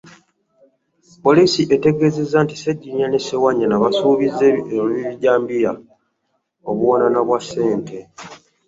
Poliisi etegeezezza nti Ssegirinnya ne Ssewanyana baasuubiza ab'ebijambiya obuwanana bwa ssente.